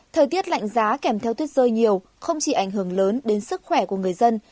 thời tiết lạnh giá kèm theo tuyết rơi nhiều không chỉ ảnh hưởng lớn đến sức khỏe của người dân